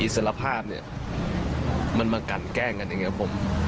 สารภาพเนี่ยมันมากันแกล้งกันอย่างนี้ผม